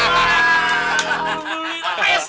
wah lu beli kok pak haji